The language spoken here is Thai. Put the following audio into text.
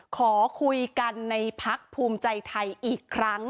ขอคุยกันในพักภูมิใจไทยอีกครั้ง